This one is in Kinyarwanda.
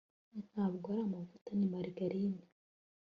Ntabwo ari amavuta Ni margarine